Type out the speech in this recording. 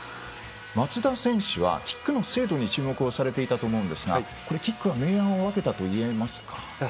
松田選手はキックの精度に注目されていたと思いますがキックが明暗を分けたといえますか？